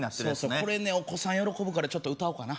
これねお子さん喜ぶからちょっと歌おうかな